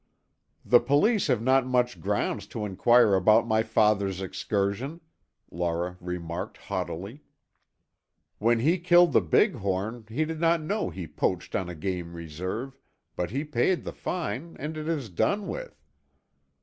"The police have not much grounds to inquire about my father's excursion," Laura remarked haughtily. "When he killed the big horn he did not know he poached on a game reserve, but he paid the fine and it is done with."